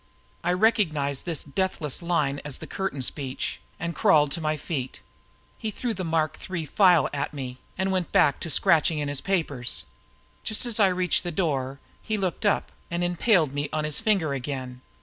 I recognized this deathless line as the curtain speech and crawled to my feet. He threw the Mark III file at me and went back to scratching in his papers. Just as I reached the door, he looked up and impaled me on his finger again.